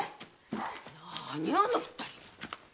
何あの二人。